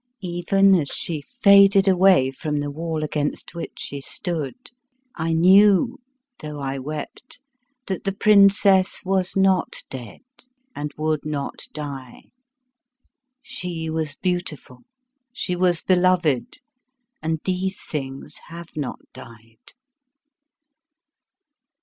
Even as she faded away from the wall against which she stood, I knew, though I wept, that the princess was not dead and would not die. She was beautiful, she was beloved; and these things have not died.